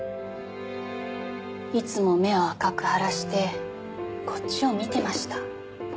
いつも目を赤く腫らしてこっちを見てました。